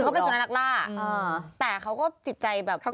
เขาเป็นนักล่าแต่เขาก็จิตใจแบบล่าเริ่ม